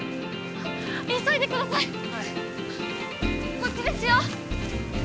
こっちですよ！